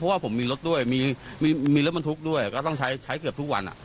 เพราะว่ามีรถรัฐลุกด้วยก็ต้องใช้เกือบทุกวัน